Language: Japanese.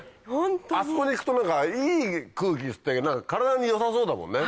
あそこに行くと何かいい空気吸って体に良さそうだもんね